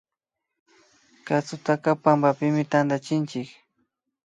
Katsutaka pampapimi tantachinchik